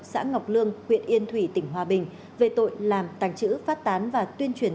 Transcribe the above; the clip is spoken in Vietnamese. xã ngọc lương huyện yên thủy tỉnh hòa bình về tội làm tành chữ phát tán và tuyên truyền